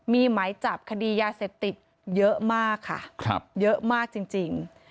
มีหมายจับคดียาเสพติดเยอะมากค่ะเยอะมากจริง